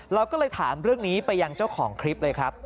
เราก็เลยถามเรื่องนี้ไปยังเจ้าของคลิปเลยครับ